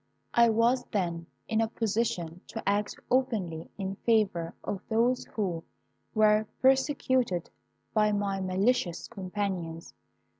I was then in a position to act openly in favour of those who were persecuted by my malicious companions.